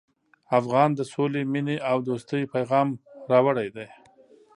افغان د سولې، مینې او دوستۍ پیغام راوړی دی.